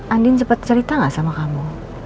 andin cepet cerita nggak sama kamu